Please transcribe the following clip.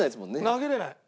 投げれない。